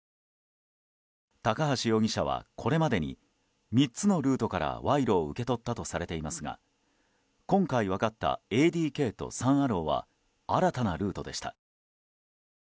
高橋容疑者はこれまでに３つのルートから賄賂を受け取ったとされていますが今回分かったＡＤＫとサン・アローは新たなルートでした。